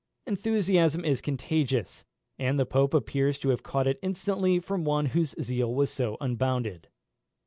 Enthusiasm is contagious; and the Pope appears to have caught it instantly from one whose zeal was so unbounded.